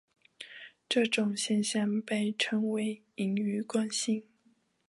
这种现象被称为盈余惯性。